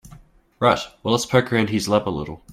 Right, well let's poke around his lab a little.